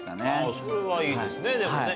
それはいいですね、でもね。